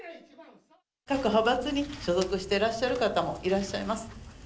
各派閥に所属してらっしゃる方もいらっしゃいます。